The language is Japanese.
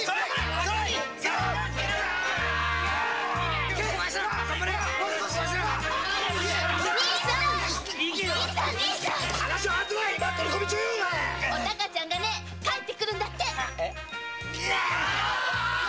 お孝ちゃんが帰って来るんだって。